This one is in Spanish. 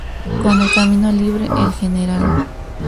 Con el camino libre, el Gral.